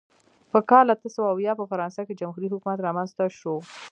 په کال اته سوه اویا په فرانسه کې جمهوري حکومت رامنځته شو.